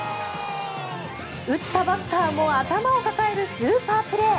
打ったバッターも頭を抱えるスーパープレー。